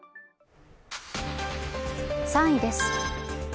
３位です。